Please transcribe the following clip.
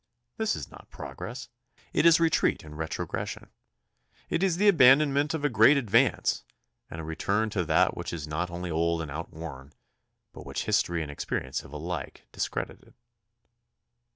This is not progress. It is retreat and retro gression. It is the abandonment of a great advance and a return to that which is not only old and outworn, but which history and experience have alike dis credited.